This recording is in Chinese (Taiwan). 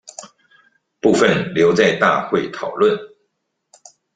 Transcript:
部分留在大會討論